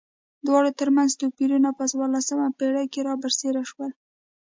دواړو ترمنځ توپیرونه په څوارلسمه پېړۍ کې را برسېره شول.